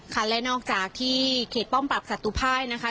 และนอกจากที่เขตป้อมปรับศัตุภายนะคะ